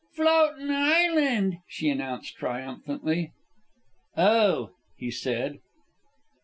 "Floatin' island," she announced triumphantly. "Oh," he said.